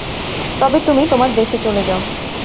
তবে তুমি তোমার দেশে চলে যাও।